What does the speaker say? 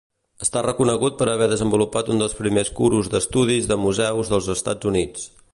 Està reconegut per haver desenvolupat un dels primers curos d'estudis de museus dels Estats Units.